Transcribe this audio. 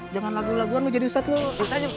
jangan lagu laguan lo jadi ustadz lo